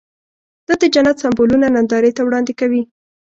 دا د جنت سمبولونه نندارې ته وړاندې کوي.